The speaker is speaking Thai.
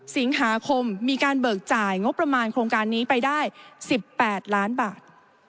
สิงหาคมมีการเบิกจ่ายงบประมาณโครงการนี้ไปได้๑๘ล้านบาท